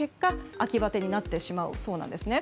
秋バテになってしまうそうなんです。